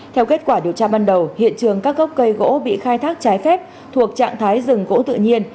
theo kết quả điều tra ban đầu hiện trường các gốc cây gỗ bị khai thác trái phép thuộc trạng thái rừng gỗ tự nhiên